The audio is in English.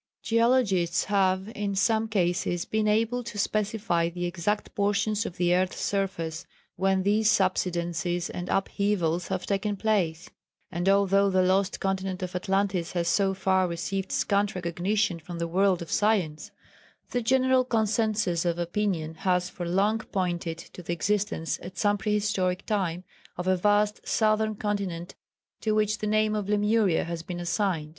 Geologists have in some cases been able to specify the exact portions of the earth's surface where these subsidences and upheavals have taken place, and although the lost continent of Atlantis has so far received scant recognition from the world of science, the general concensus of opinion has for long pointed to the existence, at some prehistoric time, of a vast southern continent to which the name of Lemuria has been assigned.